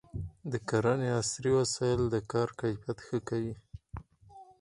د کرنې عصري وسایل د کار کیفیت ښه کوي.